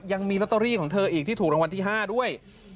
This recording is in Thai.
ยังมีลอตเตอรี่ของเธออีกที่ถูกรางวัลที่๕ด้วย